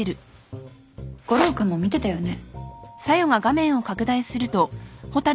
悟郎君も見てたよね？